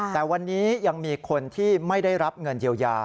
แต่วันนี้ยังมีคนที่ไม่ได้รับเงินเยียวยา